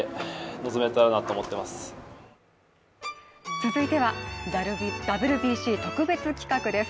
続いてはＷＢＣ特別企画です。